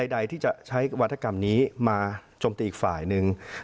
ใดที่จะใช้วัฒกรรมนี้มาจมตีอีกฝ่ายหนึ่ง